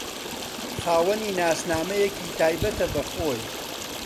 خاوەنی ناسنامەیەکی تایبەتە بە خۆی